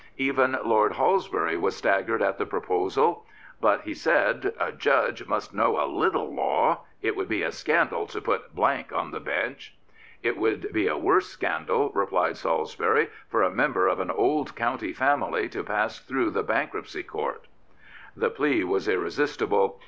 Even Lord Halsbury was staggered at the proposal. But," he said, " a Judge must know a little law. It would be a scandal to put on the Bench." " It would be a worse scandal," replied Salisbury, " for a member of an old county family to pass through the Bank ruptcy Court." The plea was irresistible.